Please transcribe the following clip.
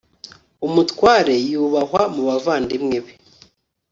umutware yubahwa mu bavandimwe be